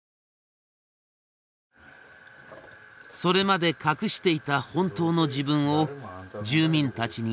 それまで隠していた本当の自分を住民たちにカミングアウト。